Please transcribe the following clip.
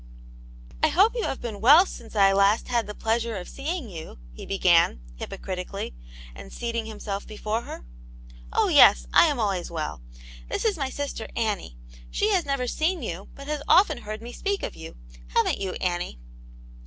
" I hope you have been well since I last had the pleasure of seeing you," he began, hypocritically, and seating himself before her. "Oh,^yes, I am always well. This is my sister Annie ; she has never seen ypu, but has often heard me speak of you ; haven't you, Annie?